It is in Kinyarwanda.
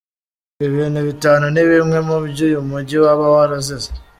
Ibi bintu bitanu ni bimwe mubyo uyu mujyi waba warazize .